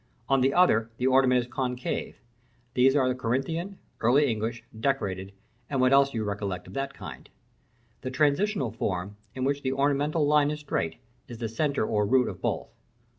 On the other the ornament is concave: those are Corinthian, Early English, Decorated, and what else you recollect of that kind. The transitional form, in which the ornamental line is straight, is the centre or root of both.